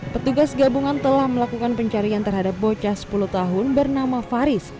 petugas gabungan telah melakukan pencarian terhadap bocah sepuluh tahun bernama faris